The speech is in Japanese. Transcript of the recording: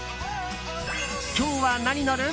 今日はなに乗る？